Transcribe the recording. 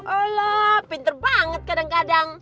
allah pinter banget kadang kadang